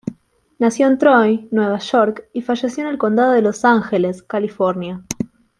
Nació en Troy, Nueva York, y falleció en el Condado de Los Ángeles, California.